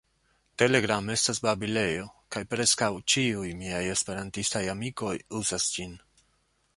Telegram estas babilejo, kaj preskaŭ ĉiuj miaj Esperantistaj amikoj uzas ĝin.